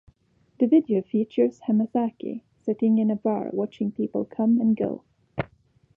The video features Hamasaki sitting in a bar watching people come and go.